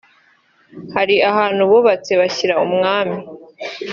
hari ahantu bubatse bashyira umwami